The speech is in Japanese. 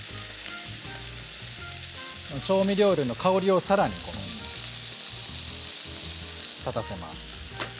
調味料類の香りをさらに立たせます。